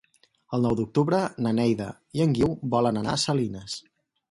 El nou d'octubre na Neida i en Guiu volen anar a Salines.